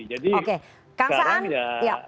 jadi sekarang ya